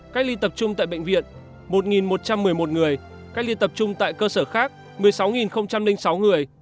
cách ly tập trung tại bệnh viện một một trăm một mươi một người cách ly tập trung tại cơ sở khác một mươi sáu sáu người